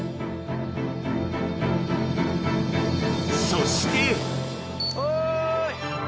そしておい！